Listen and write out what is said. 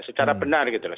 secara benar gitu loh